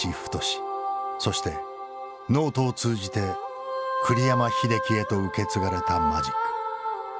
そしてノートを通じて栗山英樹へと受け継がれたマジック。